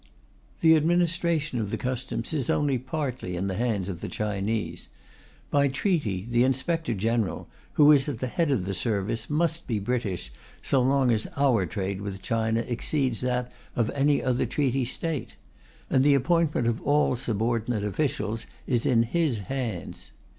The administration of the Customs is only partially in the hands of the Chinese. By treaty, the Inspector General, who is at the head of the service, must be British so long as our trade with China exceeds that of any other treaty State; and the appointment of all subordinate officials is in his hands.